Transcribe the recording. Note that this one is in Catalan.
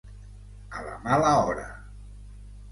A la mala hora.